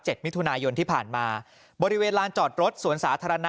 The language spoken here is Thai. มิถุนายนที่ผ่านมาบริเวณลานจอดรถสวนสาธารณะ